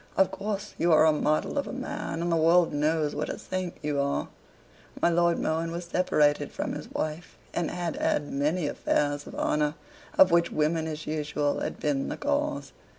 "Of course you are a model of a man: and the world knows what a saint you are." My Lord Mohun was separated from his wife, and had had many affairs of honor: of which women as usual had been the cause.